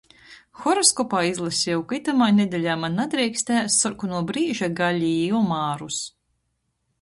Horoskopā izlaseju, ka itamā nedeļā maņ nadreikst ēst sorkonuo brīža gali i omarus.